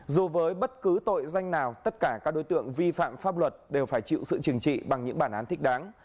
dù với bất cứ tội danh nào tất cả các đối tượng vi phạm pháp luật đều phải chịu sự trừng trị bằng những bản án thích đáng